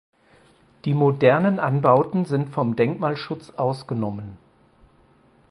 Die modernen Anbauten sind vom Denkmalschutz ausgenommen.